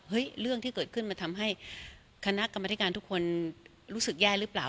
เรื่องที่เกิดขึ้นมันทำให้คณะกรรมธิการทุกคนรู้สึกแย่หรือเปล่า